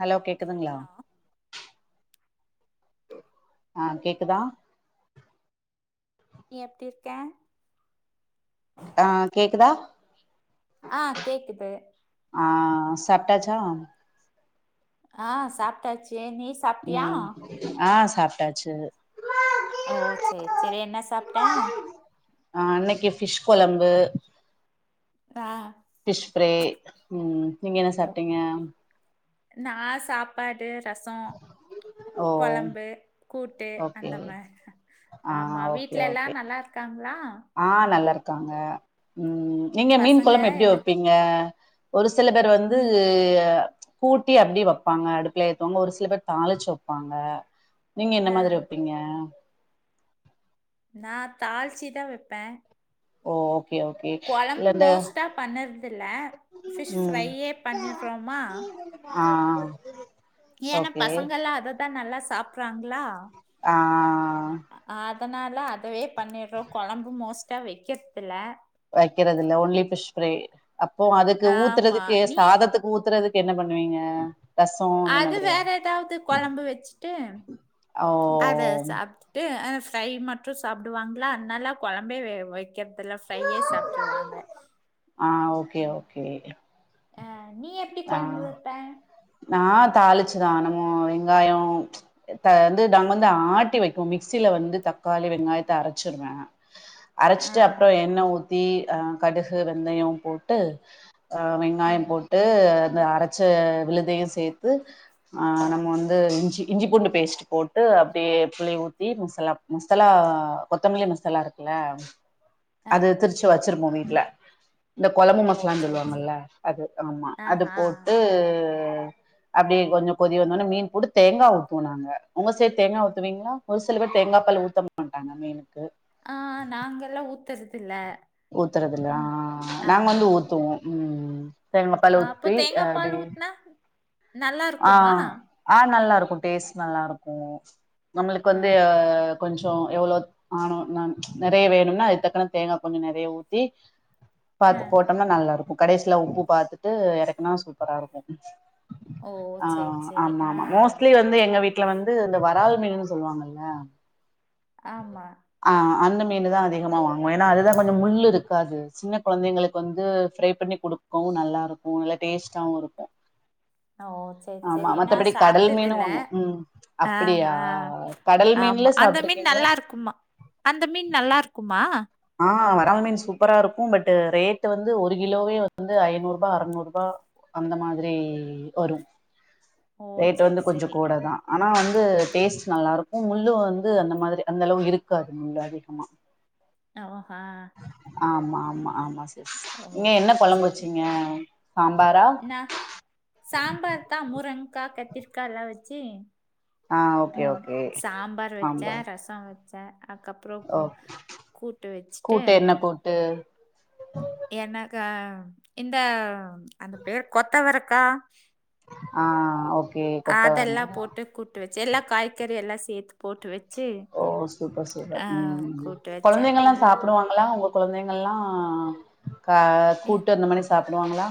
Hello கேக்குதுங்களா hello ஆ கேக்குதா நீ எப்டி இருக்க ஆ கேக்குதா ஆ கேக்குது ஆ சாப்ட்டாச்சா ஆ சாப்ட்டாச்சே நீ சாப்ட்டியா ம் ஆ சாப்ட்டாச்சு ஓ செர் செரி என்ன சாப்ட்டே ஆ இன்னைக்கு ஃபிஷ் கொழம்பு ஆ பிஷ் ஃபிரை ம் நீங்க என்ன சாப்பிட்டீங்க நான் சாப்பாடு ரசம் ஓ கொழம்பு கூட்டு ஓகே அந்த மாதிரி ஆ ஆமா ஓகே வீட்டுல ஓகே எல்லாம் நல்லா க்காங்களா ஆ நல்லாருக்காங்க ம் நீங்க மீன் பசங்க கொழம்பு எப்டி என்ன வெப்பீங்க ஒரு சில பேர் வந்து நீ கூட்டி அப்டி வப்பாங்க அடுப்பல ஏத்துவாங்க ஒரு சில பேர் தாளிச்சு வெப்பாங்க நீங்க என்ன ஆ மாதிரி வைப்பீ ங்க நா தாளிச்சி தா வெப்பே ஓ ஓகே ஓகே கி இல்ல கொழம்பு அந்த மோஸ்ட்டா பண்ணறதில்ல ஃபிஷ் ம் ஃப்ரையே பண்ணிடுறோமா ஆஆ ஏனா பசங்கல்லாம் அததான் நல்லா சாப்பறாங்களா ஆ அதனால அதவே பண்ணிடுறோ கொழம்பு மோஸ்டா வெக்கறத்தில்ல வைக்கிறதில்ல ஓன்லி ஃபிஷ் ஃபிரை அப்போ அதுக்கு ஆமா ஊத்துறதுக்கு நீ சாதத்துக்கு ஊத்துறதுக்கு என்ன பண்ணுவீங்க ரசோ அந்த அது மாதிரியா வேற ஏதாவது கொழம்பு வச்சுட்டு ஓ அத சாப்பிட்டு ட்டு அ ஃப்ரை மட்டு சாப்பிடுவாங்களா அதனால் கொழம்பே வெ வெக்கிறது இல்ல ஃப்ரையே சாப்பிட்டுருவாங்க ஆ ஓகே ஓகே ஆ நீ எப்டி கொழம்பு ஆ வெப்ப நா தாளிச்சுதான் நம்ம வெங்காயம் தா வந்து நாங்க வந்து ஆட்டி வெப்போ மிக்சியில வந்து தக்காளி வெங்காயத்தை அரைச்சிருவே ஆ அரைச்சிட்டு அப்புறம் எண்ணெய் ஊத்தி ஆ கடுகு வெந்தயம் போட்டு அ ஆ வெங்காயம் போட்டு அந்த அரைச்ச விழுதையு சேத்து ஆ நம்ம வந்து இஞ்சி இஞ்சி பூண்டு பேஸ்ட் போட்டு அப்டியே புளி ஊத்தி மசாலா மசலா கொத்தமல்லி மசாலா இருக்குல்ல ஆ அது திருச்சு வச்சிருப்போ வீட்ல இந்த கொழம்பு ஓ மசாலானு சரி சரி சொல்லுவாங்கல்ல அது ஆமா அது ஆஹா போட்டு அப்டி கொஞ்சோ கொதி வந்தோடன்னே மீன் போட்டு தேங்கா ஊத்துவோ நாங்க உங்க சைடு தேங்கா ஊத்துவீங்களா ஒரு சில பேர் தேங்காய் பால் ஊத்த மாட்டாங்க மீனுக்கு ஆ நாங்கல்லாம் ஊத்துறது இல்ல ஊத்துறதுல ஆ நாங்க ஆமா வந்து ஊத்துவோ ம் தேங்காய் பால் அப்போ ஊத்தி தேங்காய் அப்டி பால் ஊத்துனா நல்லா ஆ இருக்குமா ஆ நல்லா இருக்கு டேஸ்ட் நல்லா இருக்கு நம்ளுக்கு ஆ வந்து கொஞ்சோ எவ்ளோ ஆணு நா நெறைய வேணும்னா அது தக்குன்ன தேங்கா கொஞ்சோ நெறைய ஊத்தி ஆ பாத்து போட்டோம்னா நல்லா இருக்கு கடைசியில உப்பு பாத்துட்டு எறக்குனா சூப்பரா இருக்கு ஓ! ஆ சரி, சரி. ஆமா ஆ, ஆமா மோஸ்ட்லி வந்து எங்க வீட்ல வந்து இந்த வறால் மீனு சொல்வாங்கள்ல ஆமா ஆ அந்த மீனு தா அதிகமா வாங்குவோ ஏனா அதுதா கொஞ்சோ முள்ளிருக்காது சின்ன கொழந்தைங்களுக்கு வந்து ஃப்ரை பண்ணி குடுக்கவும் நல்லா இருக்கும் நல்லா டேஸ்ட்டாவும் இருக்கும் ஓ! சரி, ஆமா சரி. நான் மத்தபடி கடல் மீனும் சாப்பிட்டதில்ல. வாங்குவோம் ம் ம் ஆ, அப்பிடியா ஆ. கடல் ஆமா. மீன்லா அந்த மீன் சாப்ருக்கீங்களா நல்லா இருக்குமா? அந்த மீன் நல்லா இருக்குமா ஆ வறால் மீன் சூப்பரா இருக்கு பட் ரேட் வந்து ஒரு கிலோவே வந்து ஐநூறு ரூபா அறுநூறு ரூபா அந்த மாதிரி வரு ஓ! ரேட் சரி, வந்து கொஞ்சோ சரி. கூட தா ஆனா வந்து டேஸ்ட் நல்லா இருக்கு முள்ளும் வந்து அந்த மாதிரி அந்த அளவு இருக்காது முள்ளு அதிகமா அ ஓ ஆ ஆமா ஆமா ஆமா சிஸ் ஓ! நீங்க என்ன கொழம்பு சரி. வச்சீங்க சாம்பாரா நான் சாம்பார் தா முருங்கா கத்திரிக்காலா வச்சு ஆ ஓகே ம் ஓகே சாம்பார் வச்சே சாம்பார் ரசோ ஆ வெச்ச அதுக்கப்புறோ கு ஓகே கூட்டு வெச்சுட்டு ட்டு எனக்கா இந்த அந்த பேர் கொத்தவரக்கா ஆ ஓகே அதெல்லா கொத்தவரங்கா போட்டு கூட்டு வச்சு எல்லா காய்கறி எல்லா சேத்து போட்டு வச்சு ஓ சூப்பர் சூப்பர் ஆ, ம் கூட்டு வச்சேன் கொழந்தைங்கள்லா ஆ சாப்டுவாங் ங்களா உங்க கொழந்தைங்கள்லா கா ஏ- கூட்டு அந்தமானி சாப்டுவாங்களா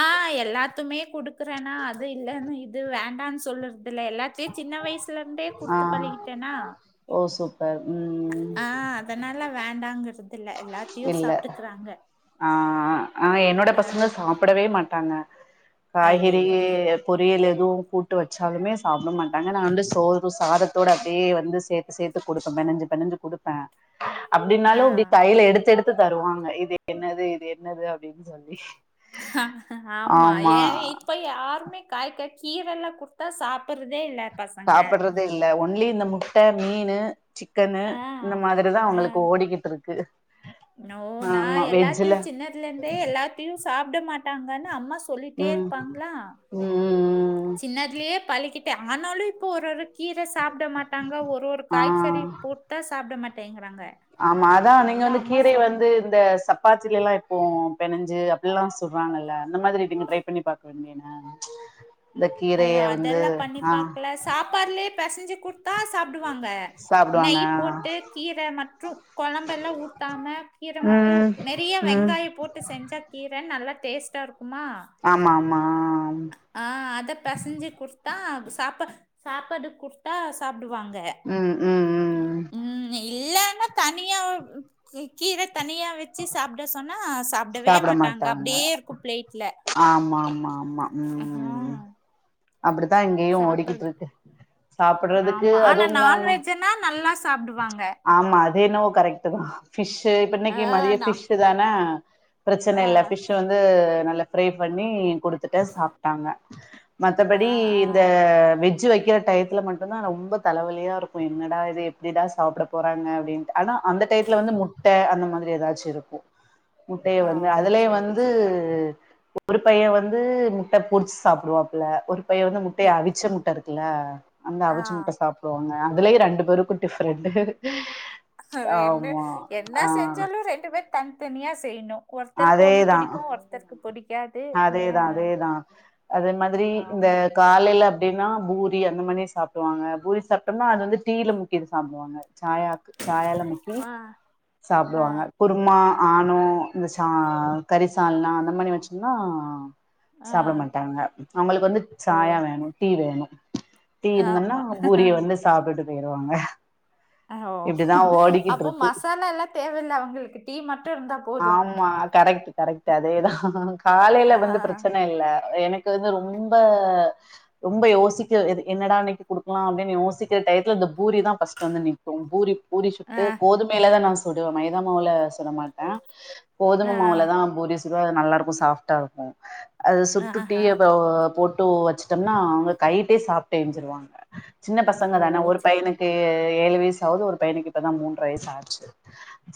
ஆ எல்லாத்துமே குடுக்குறேனா அது இல்லன்னு இது வேண்டான்னு சொல்லற்தில்ல எல்லாத்தியு சின்ன வயசுலருந்தே ஆ குடுத்து பழகிட்டேனா ஓ சூப்பர் ம் ம் ஆ அதனால வேண்டாங்கிது இல்ல ஆ ஆ என்னோட ஆ பசங்க சாப் பிடவே மாட்டாங்க ஐயோ காய்கறியே பொரியல் எதுவும் கூட்டு வச்சாலுமே சாப்ட மாட்டாங்க நா வந்து சோறு சாதத்தோடு அப்டியே வந்து சேத்து சேத் டுத்து குடுப்பே பெனஞ்சு பெனஞ்சு குடுப்பே ஆ அப்டின்னாலு இப்டி கையில எடுத் தெடுத்து தருவாங்க இது என்னது இது என்னது அப்டின் சொல்லி ஆமா ஏன் இப்பை யாருமே காய்க்க கீரெல்லா குட்த்தா சாப்பிறதே இல்ல பசங்க சாப்பிட்றதே இல்ல ஒன்லி இந்த முட்ட மீனு சிக்கனு ஆ இந்த மாதிரிதா ஆ அவங்களுக்கு ஓடிக்கிட்ருக்கு நோ நா எல்லாத்தையு சின்னதுலந்தே எல்லாத்தையும் சாப்ட மாட்டாங்கன் அம்மா சொ சொல்லிட்டே ம் இருப்பாங்ளா ம் ம் ம் சின்னதுலயே பழக்கிட்டே ஆனாலு இப்ப ஒரு ஒரு கீர சாப்ட மாட்டாங்க ஒரு ஒரு ஒரு காய்சறி ஆ போட்டா சாப்ட மாட்டேங்கிறாங்க ஆமா அதா நீங்க வந்து அதான் அம்மா கீரைய சொல் வந்து இந்த சப்பாத்திலயெல்லா இப்போ பெனஞ்சு அப்டில்லா சொல்றாங்கள்ல அந்த மாதிரி நீங்க ட்ரை பண்ணி பாக்க வேண்டியன இந்த கீரைய வந்து ஆ பாட்டுலயே பெசஞ்சு குடுத்தா சாப்டுவாங்க சாப்டுவாங்க நெய் போட்டு கீர மட்டும் கொழம்பெல்லாம் ஊத்தாம கீர மட்டு ம் நெறைய ம் வெங்காயம் போட்டு செஞ்சா கீர நல்லா டேஸ்ட்டா இருக்குமா ஆமா ஆமா ஆம் ஆ அத பெசஞ்சு குடுத்தா சாப்பா சாப்பாடு குடுத்தா சாப்டுவாங்க ம் ம் ம் ம் இல்லன்னா தனியா கீர தனியா வச்சு சாப்ட சொன்னா சாப்டவே மாட்டாங்க அப்டியே இருக்கு பிளேட்ல ஆமா ஆமா ஆமா ஆஹா அப்டித்தா இங்கயு ஓடிக்கிட்டு சாப்பறது இருக்கு சாப்டுறதுக்கு ஆமா ஆனா அதுவு இல்லாம நான்வெஜ்ன்னா நல்லா சாப்டுவாங்க ஆமா அது என்னவோ கரெக்ட்டுதா ஃபிஷ்ஷு இப்ப ஆ இன்னைக்கு மதியோ நா ஃபிஷ்ஷு தான பிரச்சன ஆ இல்ல ஃபிஷ்ஸு வந்து நல்லா ஃப்ரை பண்ணி குடுத்துட்டே சாப்டாங்க ஆ மத்தபடி ஆ இந்த வெஜ் வெஜ்ஜு வைக்கிற டயத்துலா மட்டுதா ரொம்ப தலவலியா இருக்கு என்னடா இது எப்டிதா சாப்ட போறாங்க அப்டின்னு ஆனா அந்த டைத்துல வந்து முட்ட அந்த மாரி எதாச்சு இருக்கு முட்டைய ஆ வந்து அதுலயே சேரி வந்து ஒரு பைய வந்து முட்ட பொரிச்சு சாப்டுவா ஒரு பைய வந்து முட்டைய சேரி அவிச்ச முட்ட இருக்குல்ல அந்த ஆ அவிச்ச முட்ட சாப் வோங்க அதுலயு ரெண்டு பேருக்கு டிஃப்ரெண்டு ரெண்டு ஆமா என்ன ஆ செஞ்சாலு ரெண்டு பேர் தனித்தனியா செய்ணு ஒர்த்தருக்கு ஒன்னு அதேதா பிடிக்கு ஒர்த்தருக்கு புடிக்காது ஆ அதேதா அதேதா அதே மாதிரி இந்த ஆமா காலேல அப்டினா பூரி அந்த மனி சாப்டுவாங்க பூரி சாப்ட்டம்னா அது வந்து டீல முக்கி இது சாப் சாயா சாயால முக்கி ஆ ஆ சாப்டுவாங்க குருமா ஆணோ இந்த சா கறிசால்னா அந்த மாரி வச்சம்ன்னா ஆ சாப்ட மாட்டாங்க அவுங்களுக் வந்து ஓ சாயா வேணு டீ வேணு டீ இருந்தோன்னா ஆமா பூரிய வந்து சாப்ட்டுட்டு போயிருவாங்க ஓ இப்டிதா ஓடிக்கிட்டு அப்போ இருக்கு மசாலால்லா தேவல்ல அவங்களுக்கு டீ மட்டு இருந்தா போது ஆமா கரெக்ட் கரெக்டு அதேதா ஆ காலேல வந்து பிரச்சன இல்ல எனக்கு வந்து ரொம்ப ரொம்ப யோசிக்க எது என்னடா இன்னைக்கு குடுக்லா அப்டின் யோசிக்கிற டையத்ல இந்த பூரிதா ஃபஸ்ட் வந்து நிக்கு பூரி பூரி ஆ சுட்டு கோதுமைல தா நா சுடுவே மைதா மாவுல சுட மாட்டே ஆ கோதும மாவுலதா பூரி சுட நல்லா இருக்கு சாஃப்டா இருக்கு அது சுட்டு ஆஹா டீய போ போட்டு வச்சுட்டம்னா அவ்ங்க கைட்டே சாப்ட்டு எஞ்சிருவாங்க சின்ன பசங்க ஓ தானே ஒரு சே பையனு க்கு ஏழு வயசு ஆவுது ஒரு பையனுக்கு இப்பதா மூன்ற வயசு ஆச்சு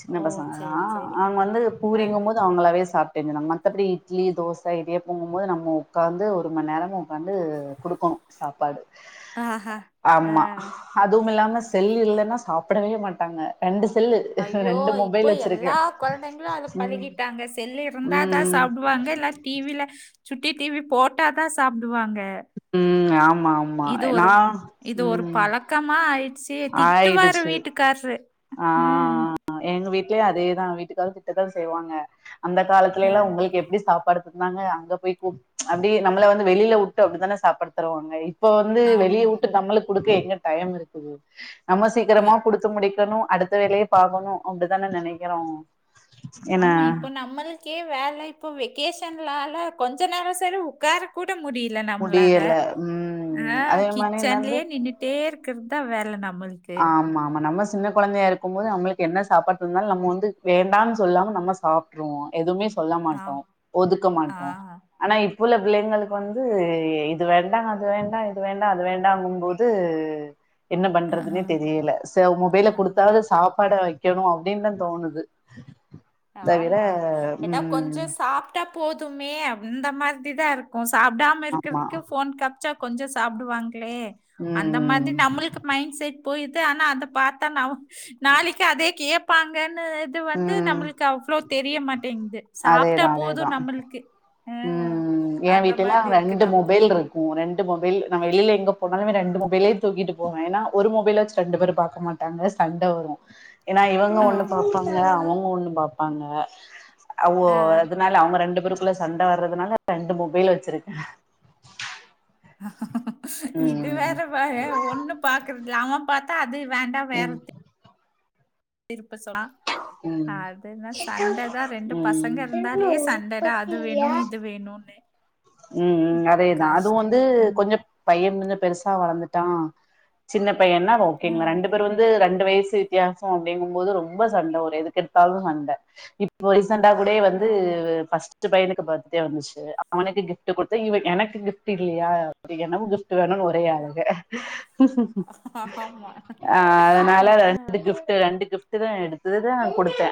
சின்ன ஓ பசங்கதா சேரி சேரி அவங்க வந்து ஆ ஆ பூரிங்க போது அவங்களாவே சாப்டேங்ளா மத்தபடி இட்லி தோச இடியாப்பங்க போது நம்ம உக்காந்து ஒரு மண் நேரோ வந்து குடுக்கணு சாப்பாடு ஆஹா ஆ ஆமா அதுவுமில்லாம செல்லு இல்லனா சாப்புடவே மாட்டாங்க ரெண்டு செல்லு ஐயோ ரெண்டு இப்போ மொபைல் வச்சிருக்கே எல்லா கொழந்தைங்ளு அது ம் பழகிட்டாங்க செல்லு இருந்தாதா ம் சாப்டுவ இப்ப அங்க இல்ல டிவில சுட்டி டிவி போட்டாதா சாப்டுவாங்க ம் ஆமா ஆமா நா ம் அக்கமா ஆயிடுச்சு திட்டுவாரு ஆயிடுச்சு வீட்டுக்காரரு ஆ ம் எங்க வீட்லயு அதேதா வீட்டுகாரு திட்டதா செய்வாங்க அந்த ஆ, காலத்துலேலா உங்களுக் எப்டி சாப்பாடு ந்தாங்க அங்க போய் கூப் அப்டியே நம்மள வந்து வெளில வுட்டு அப்டிதானே சாப்பாடு தருவாங்க இப்ப வந்து வெளிய ஆமா உட்டு நம்மளு குடுக்க எங்க டையம் இருக்குது நம்ம சீக்கிரமா இ- குடுத்து முடிக்கணு அடுத்த வேலய பாக்கணு அப்டிதான நெனைக்கிறோ என்ன ஆமா இப்போ நம்மளுக்கே வேல இப்போ வெக்கேஷன்லால கொஞ்சோ நேர செலவு உக்கார கூட முடியல நம்ளால முடியல ம் ஆ அதே மாரி என்னது கிச்சன்லயே நின்னுட் அப்டியே இருக்கறது தா வேல நம்மளுக்கு ஆமா ஆமா நம்ம சின்ன கொழந்தையா இருக்குமோது நம்மளுக்கு என்ன சாப்பாடு தந்தாலு நம்ம வந்து வேண்டான் சொல்லாம நம்ம சாப் ட்ருவோ எதுமே சொல்ல ஆ மாட்டோ ஒதுக்க ஆ மாட்டோ ஆனா இப்புள்ள பிள்ளைங்களுக்கு வந்து இது வேண்டா அது வேண்டா இது வேண்டா அது வேண்டாங்கும்போது து என்ன ஆ பண்றதுன்னே தெரியல சோ மொபைல ஐயோ கொடுத்தாவது சாப்பாட வ க்கணு அப்டின்தா தோணுது தவிர ஆமா எதா கொஞ்சோ ம் சாப் ட்டா போதுமே இந்த மாதிரி தா இருக்கு சாப்டாம ஆமா இருக்குறதுக்கு ஃபோன் ச்சா கொஞ்சோ சாப்டுவாங்களே அந்த மாதிரி ம் நம்மளுக் மைண்ட் செட் போயுது ஆனா அத பாத்தா ந நாளைக்கு அதே கேப் ப்பாங்கன்னு இது வந்து ம் நம்மளுக்கு அவ்ளோ தெரியமாட்டேங்து அதேதா அதேதா அஹ் ம் எ அந்த வீட்டுல்லா மாதிரி இருக்கு ரெண்டு நம்மளுக்கு மொபைல் இருக் கு ரெண்டு மொபைல் நா வெளில எங்க போனாலுமே ரெண்டு மொபைல தூக்கிட்டு போவே ஏன்னா ஒரு மொபைல வச்சு ரெண்டு பேர் பாக்க மாட் மாட்டாங்க சண்ட வரு ஏனா இவங்க ஓ ஒன்னு பாப்பாங்க அவங்க ஒன்னு பாப்பாங்க அவு அஹ் அதனால அவங்க ரெண்டு பேருக்குள்ள சண்டை வர்றதுனால ரெண்டு மொபைலு வச்சிருக்க இது ம். வேற பாரே ஒன்னு பாக்குறதுல அவ பாத்தா அது வேண்டா வேற ம். திருப்ப சொனா ம். அதுதா சண்ட தா ரெண்டு பசங்க ம். இருந்தாலே சண்ட தா அது வேணு உருப்படியா இது வேணுன் ம் அதேதா அது கஷ்டம் வந்து ம் கொஞ்சோ பைய வந்து பெருசா வளந்துட்டா சின்ன பையனா ஓகே ஆ, இவங்க ரெண்டு பேர் வந் து ரெண்டு வயசு வித்தியாசோ அப்டிங்கும்போது ரொம்ப சண்ட வரு எதுக்கெடுத்தாலு சண்ட இ இப்போ ரீசண்டா கூடயே வந்து ஆமா ஃபர்ஸ்ட் பையனுக்கு பர்த்டே வந்துச்சு அவனுக்கு கிஃப்ட் குடுத்தா இவ எனக்கு கிஃப்ட் இல்லயா அது எனக்கு கிப்ட் வேணுனு ஒரே அழுக ஆமா அ ஆ, அதனால ரெண்டு கிஃப் டு ரெண்டு கிஃப்ட்டுதா எடுத்துதா குடுத்தே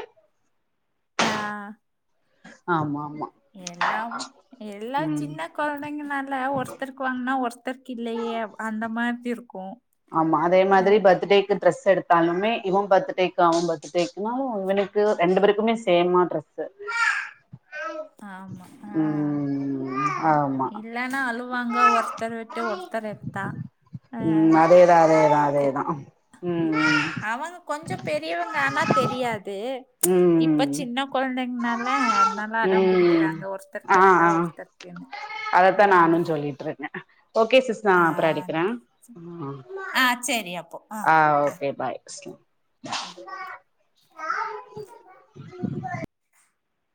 அ ஆமா மா எல்லாம் எல்லா சின்னக் கொழந்தைங்கனால ஒருத்தருக் வாங்னா ஒருத்தருக் இல்லையே அப் அந்த மாதிருக்கு ஆமா அதே மாதிரி பர்த்துடேக்குப் ட்ரெஸ் எடுத்தாலுமே இவம் பர்த்துடேக்கு அவம் பர்த்துடேக்குனாலு இவனுக்கு ரெண்டு பேருக்குமே சேமா ட்ரெஸ் ஆமா அ ம் ஆமா இல்லனா அழுவாங்க ஒருத்தர விட்டு ஒருத்தர் எட்த்தா ம் ம் அதேதா அதே கு அவங்க கொஞ்சோ பெரியவங்க ஆனா தெரியாது இப்ப ம் சின்ன கொழந்தைங்னால அத்னால அடம் ம் பிடிக்கிறாங்க ஆ ஒருத்தர்க்கேத்தா ஆ ஒருத்தர்க்குனு அதத்தா நானுஞ் சொல்லிட்ருக்கே ஓகே சிஸ் நா ஆ ஆ அப்றோ அடிக்றே ஆ ஆ சேரி அப்போ ஆ ஓகே பாய் ஆ